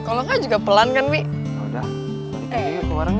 kalo enggak juga pelan kan boy